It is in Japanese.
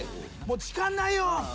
「時間ないよ。